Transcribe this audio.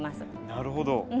なるほど。